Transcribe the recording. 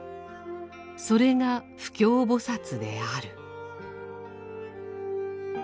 それが不軽菩薩である。